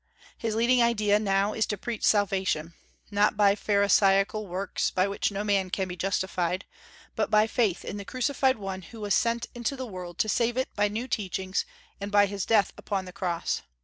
His leading idea now is to preach salvation, not by pharisaical works by which no man can be justified, but by faith in the crucified one who was sent into the world to save it by new teachings and by his death upon the cross.